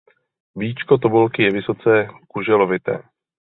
Víčko tobolky je vysoce kuželovité.